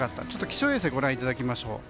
気象衛星をご覧いただきましょう。